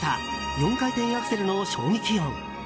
４回転アクセルの衝撃音。